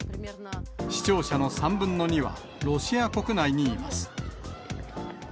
視聴者の３分の２はロシア国内にいます。